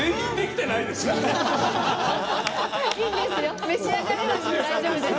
いいんですよ！